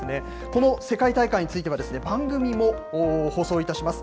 この世界大会については、番組も放送いたします。